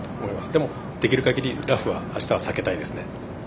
でも、できる限りラフはあしたは避けたいですね。